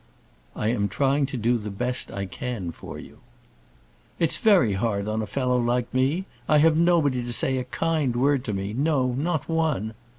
"I am trying to do the best I can for you." "It's very hard on a fellow like me; I have nobody to say a kind word to me; no, not one."